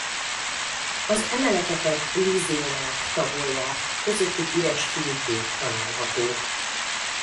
Az emeleteket lizénák tagolják közöttük üres fülkék találhatók.